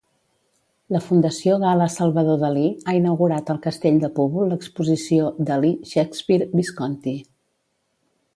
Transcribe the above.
La Fundació Gala-Salvador Dalí ha inaugurat al Castell de Púbol l'exposició "Dalí, Shakespeare, Visconti".